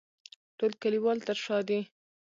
ټول کلیوال تر شا دي.